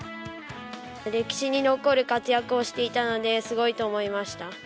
歴史に残る活躍をしていたので、すごいと思いました。